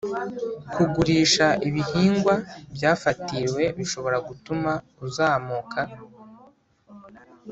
kugurisha ibihingwa byafatiriwe bishobora gutuma uzamuka